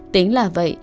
tính là vậy